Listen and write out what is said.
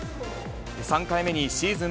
３回目にシーズン